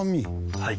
はい。